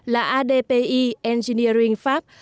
là adpi engineering pháp